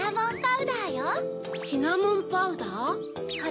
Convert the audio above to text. シナモンパウダーよ。